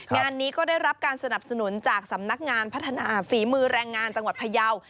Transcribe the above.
งานนี้ก็ได้รับการสนับสนุนจากสำนักงานพัฒนาฝีมือแรงงานจังหวัดพยาว